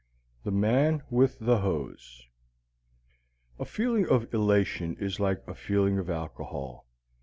THE MAN WITH THE HOSE A feeling of elation is like a feeling of alcohol.